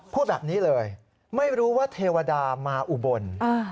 พูดแบบนี้เลยไม่รู้ว่าเทวดามาอุบล